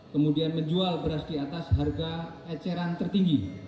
kemudian menjual beras di atas harga eceran tertinggi